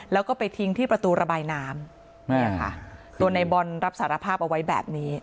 แล้วก็ไปทิ้งที่ประตูระบายน้ำเนี่ยค่ะตัวในบอลรับสารภาพเอาไว้แบบนี้